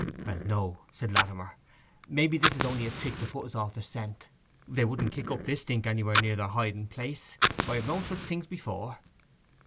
'Well, no,' said Latimer. 'Maybe this is only a trick to put us off the scent. They wouldn't kick up this stink anywhere near their hiding place. I have known such things before.